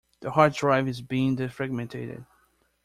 The hard drive is being defragmented.